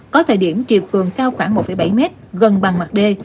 có thời điểm chiều cường cao khoảng một bảy mét gần bằng mặt đê